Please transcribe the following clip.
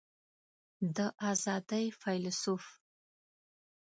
د آزادۍ فیلیسوف